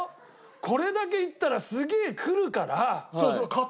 これだけ言ったらすげえ来るから。